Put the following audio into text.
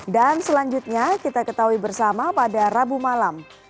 dan selanjutnya kita ketahui bersama pada rabu malam